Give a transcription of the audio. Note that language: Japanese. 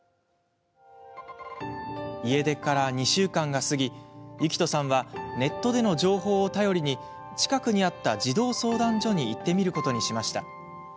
家出から２週間が過ぎユキトさんはネットでの情報を頼りに近くにあった児童相談所に行ってみることにしました。